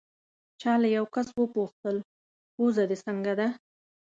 چا له یو کس وپوښتل: پوزه دې څنګه ده؟